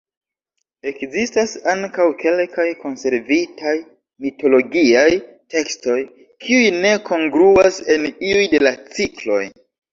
Ekzistas ankaŭ kelkaj konservitaj mitologiaj tekstoj kiuj ne kongruas en iuj de la cikloj.